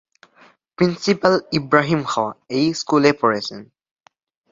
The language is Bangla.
প্রিন্সিপাল ইব্রাহিম খাঁ এই স্কুলে পড়েছেন।